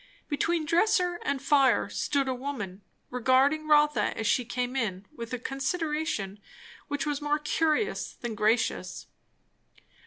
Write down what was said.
Between dresser and fire stood a woman, regarding Rotha as she came in with a consideration which was more curious than gracious.